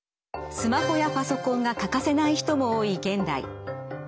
スマホやパソコンが欠かせない人も多い現代。